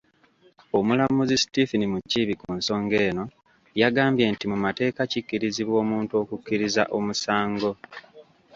Omulamuzi Stephen Mukiibi ku nsonga eno, yagambye nti mu mateeka kikkirizibwa omuntu okukkiriza omusango.